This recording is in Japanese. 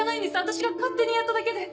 私が勝手にやっただけで。